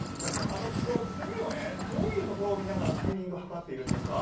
この炭をね、どういうところを見ながら、タイミング図っているんですか？